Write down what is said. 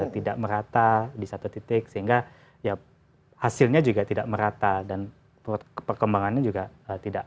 tidak merata di satu titik sehingga ya hasilnya juga tidak merata dan perkembangannya juga tidak